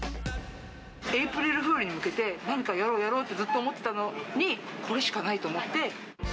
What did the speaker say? エイプリルフールに向けて、何かやろうやろうと思っていたら、これしかないと思って。